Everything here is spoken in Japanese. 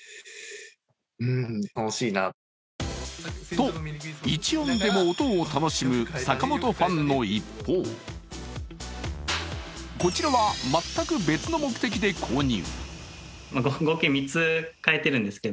と、１音でも音を楽しむ坂本ファンの一方、こちらは全く別の目的で購入。